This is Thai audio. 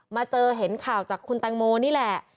มาเจอเห็นข่าวจากคุณแตงโมนี่แหละ